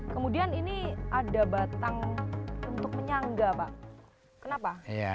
kemudian ini ada batang untuk menyangga pak kenapa